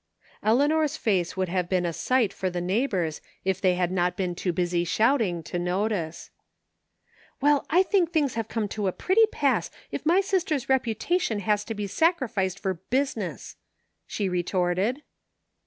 Eleanor's face would have been a sight for the neighbors if they had not been too busy shouting to notice. " Well, I think things have come to a pretty pass if my sister's reputation has to be sacrificed for busi ness," she retorted.